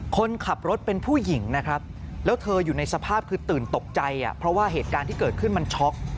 คนขับรถเป็นผู้หญิงนะครับแล้วเธออยู่ในสภาพคือตื่นตกใจเพราะว่าเหตุการณ์ที่เกิดขึ้นมันช็อก